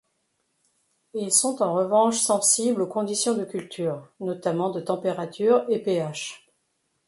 Ils sont en revanche sensibles aux conditions de culture, notamment de température et pH.